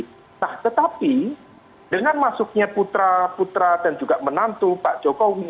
nah tetapi dengan masuknya putra putra dan juga menantu pak jokowi